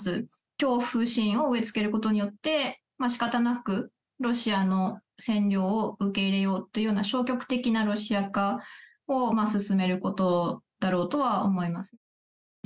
恐怖心を植え付けることによって、しかたなくロシアの占領を受け入れようというような、消極的なロシア化を進めることだろうとは思います。